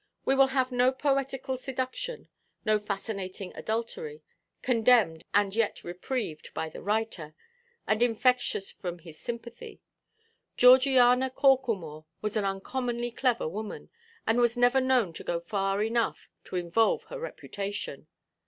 We will have no poetical seduction, no fascinating adultery, condemned and yet reprieved by the writer, and infectious from his sympathy. Georgiana Corklemore was an uncommonly clever woman, and was never known to go far enough to involve her reputation.